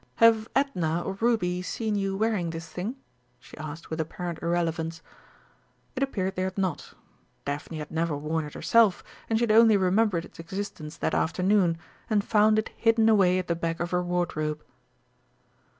Have Edna or Ruby seen you wearing this thing?" she asked with apparent irrelevance. It appeared they had not; Daphne had never worn it herself, and she had only remembered its existence that afternoon, and found it hidden away at the back of her wardrobe.